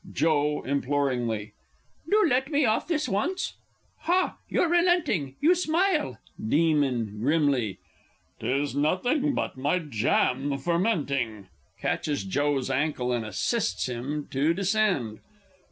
Joe (imploringly). Do let me off this once, ha! you're relenting, You smile Demon (grimly). 'Tis nothing but my jam fermenting! [Catches JOE's _ankle, and assists him to descend.